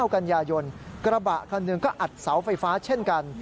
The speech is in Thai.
กันยายนกระบะคันหนึ่งก็อัดเสาไฟฟ้าเช่นกัน